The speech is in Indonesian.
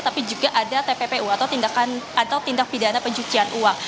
tapi juga ada tppu atau tindakan atau tindak pidana pencucian uang